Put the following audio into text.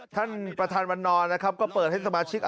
ท่านประธานวันนอนนะครับก็เปิดให้สมาชิก